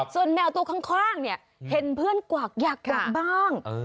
ส่วนแมวตัวข้างเนี่ยเห็นเพื่อนกวักอยากกวักบ้าง